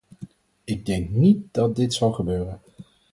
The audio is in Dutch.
Ik denk niet dat dit zal gebeuren.